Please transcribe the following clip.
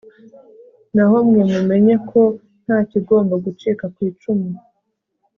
naho mwe, mumenye ko nta kigomba gucika ku icumu